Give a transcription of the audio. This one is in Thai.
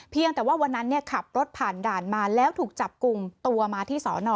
แต่ว่าวันนั้นขับรถผ่านด่านมาแล้วถูกจับกลุ่มตัวมาที่สอนอ